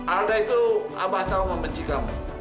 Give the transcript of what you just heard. alda itu abah tahu membenci kamu